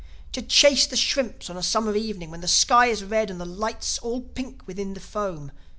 To chase the shrimps on a summer evening, when the sky is red and the light's all pink within the foam!